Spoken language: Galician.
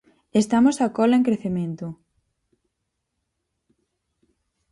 Estamos á cola en crecemento.